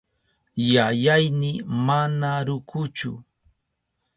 Yayayni mana rukuchu.